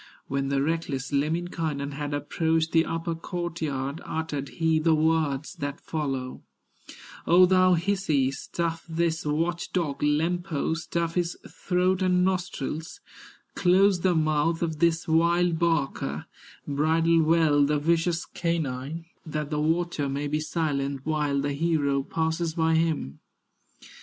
When the reckless Lemminkainen Had approached the upper court yard, Uttered he the words that follow: "O thou Hisi, stuff this watch dog, Lempo, stuff his throat and nostrils, Close the mouth of this wild barker, Bridle well the vicious canine, That the watcher may be silent While the hero passes by him."